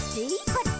「こっち」